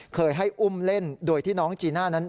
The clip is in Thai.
เคยให้อุ้มเล่นโดยที่น้องจีน่านั้น